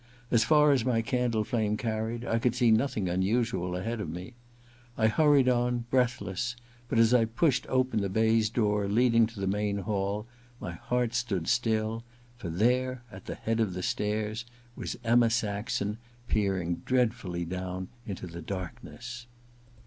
As far as my candle flame carried, I could see nothing unusual ahead of me. I hurried on, breathless ; but as I pushed open the baize door leading to the main hall my heart stood still, for there at the head of the stairs was Emma Saxon, peering dreadfully down into the darkness.